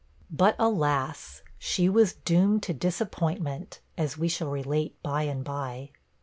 But, alas! she was doomed to disappointment, as we shall relate by and by.